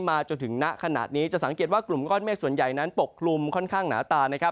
มาจนถึงนะขนาดนี้จะสังเกตว่ากลุ่มก้อนเมฆส่วนใหญ่นั้นปกลุ่มค่อนข้างหนาตา